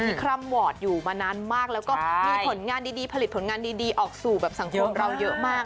คร่ำวอร์ดอยู่มานานมากแล้วก็มีผลงานดีผลิตผลงานดีออกสู่แบบสังคมเราเยอะมาก